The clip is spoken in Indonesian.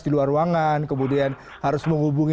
di luar ruangan kemudian harus menghubungi